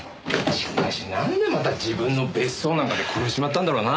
しかしなんでまた自分の別荘なんかで殺しちまったんだろうな。